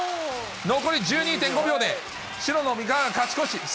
残り１２．５秒で、白の三河が勝ち越し。